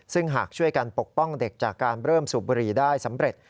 ซึ่งหากช่วยกันปกป้องเด็กจากการเริ่มสูบบุรีได้สำเร็จ